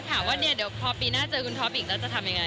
ถามว่าเนี่ยเดี๋ยวพอปีหน้าเจอคุณท็อปอีกแล้วจะทำยังไง